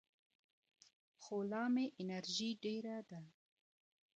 خو لا مې انرژي ډېره ده.